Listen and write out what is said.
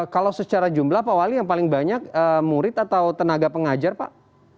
kalau secara jumlah pak wali yang paling banyak murid atau tenaga pengajar pak